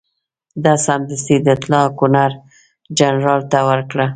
ده سمدستي دا اطلاع ګورنرجنرال ته ورکړه.